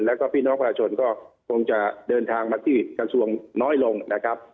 แล้วก็พี่น้องประชาชนก็คงจะเดินทางมาที่กระทรวงน้อยลงนะครับ